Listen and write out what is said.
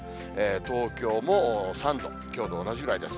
東京も３度、きょうと同じぐらいです。